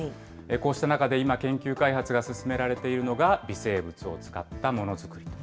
こうした中で、今、研究開発が進められているのが、微生物を使ったものづくり。